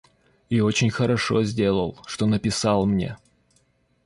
И очень хорошо сделал, что написал мне.